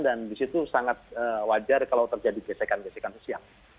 dan disitu sangat wajar kalau terjadi gesekan gesekan usia